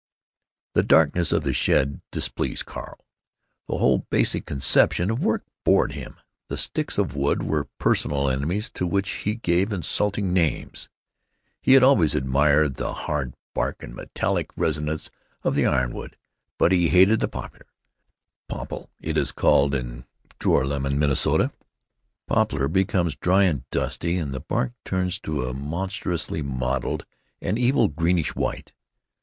The darkness of the shed displeased Carl. The whole basic conception of work bored him. The sticks of wood were personal enemies to which he gave insulting names. He had always admired the hard bark and metallic resonance of the ironwood, but he hated the poplar—"popple" it is called in Joralemon, Minnesota. Poplar becomes dry and dusty, and the bark turns to a monstrously mottled and evil greenish white.